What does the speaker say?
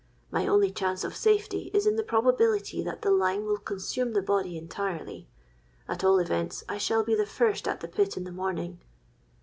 My only chance of safety is in the probability that the lime will consume the body entirely. At all events I shall be the first at the pit in the morning.'